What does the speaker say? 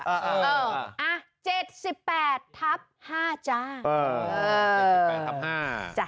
เออเอา๗๘ทับ๕จ้า